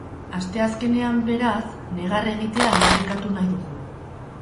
Asteazkenean, beraz, negar egitea aldarrikatu nahi dugu.